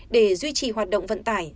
để duy trì hoạt động vận tải